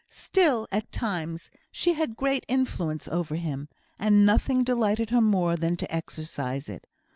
Still, at times, she had great influence over him, and nothing delighted her more than to exercise it.